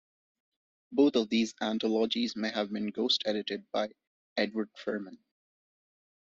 Both of these anthologies may have been ghost-edited by Edward Ferman.